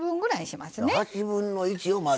８分の１をまず。